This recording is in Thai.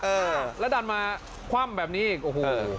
อ่าแล้วดันมาคว่ำแบบนี้อีกโอ้โห